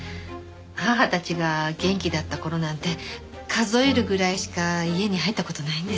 義母たちが元気だった頃なんて数えるぐらいしか家に入った事ないんです。